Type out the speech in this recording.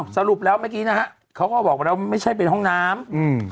สรุปแล้วเมื่อกี้นะฮะเขาก็บอกว่าแล้วไม่ใช่เป็นห้องน้ำอืม